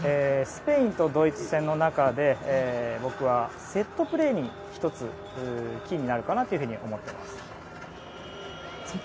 スペインとドイツ戦の中では僕はセットプレーが１つキーになるかなと思っています。